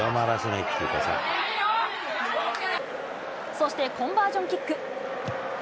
そしてコンバージョンキック。